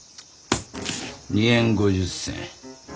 ２円５０銭？